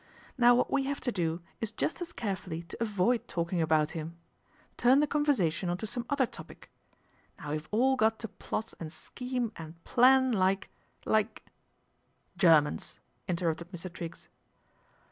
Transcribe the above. Now what we have to do is just as carefully to avoid talking about him. Turn the conversation on to some other topic. Now we've all got to plot and scheme and plan like like "" Germans," interrupted Mr. Triggs.